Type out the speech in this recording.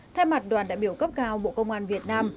thay mặt đoàn đại biểu cấp cao bộ công an việt nam